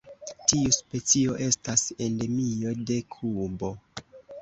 Tiu specio estas endemio de Kubo.